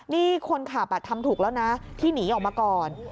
นี่คนขับทำถูกแล้วนะที่หนีออกมาก่อน